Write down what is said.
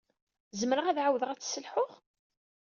Zemreɣ ad ɛawdeɣ ad tt-sselḥuɣ?